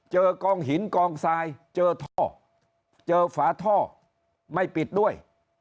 กองหินกองทรายเจอท่อเจอฝาท่อไม่ปิดด้วย